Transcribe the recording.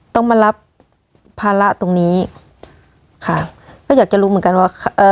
ต้องมารับภาระตรงนี้ค่ะก็อยากจะรู้เหมือนกันว่าเอ่อ